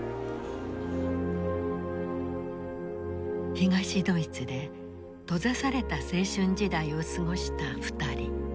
東ドイツで閉ざされた青春時代を過ごした２人。